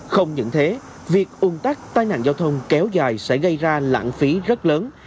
không những thế việc ung tắc tai nạn giao thông kéo dài sẽ gây ra lãng phí rất lớn